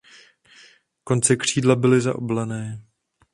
Konce křídla byly zaoblené.